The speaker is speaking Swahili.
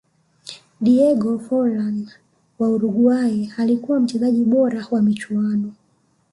diego forlan wa uruguay alikuwa mchezaji bora wa michuano